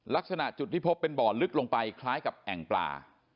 ลักษณะจุดที่พบเป็นบ่อลึกลงไปคล้ายกับแอ่งปลา